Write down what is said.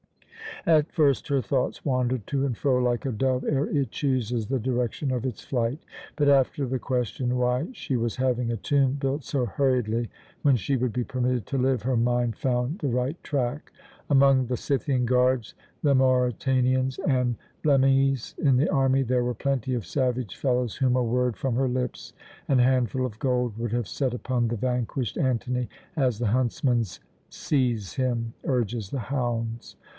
At first her thoughts wandered to and fro like a dove ere it chooses the direction of its flight; but after the question why she was having a tomb built so hurriedly, when she would be permitted to live, her mind found the right track. Among the Scythian guards, the Mauritanians, and Blemmyes in the army there were plenty of savage fellows whom a word from her lips and a handful of gold would have set upon the vanquished Antony, as the huntsman's "Seize him!" urges the hounds.